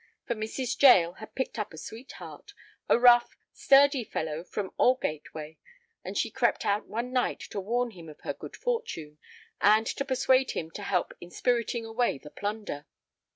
For Mrs. Jael had picked up a sweetheart, a rough, sturdy fellow from Aldgate way, and she crept out one night to warn him of her good fortune, and to persuade him to help in spiriting away the plunder.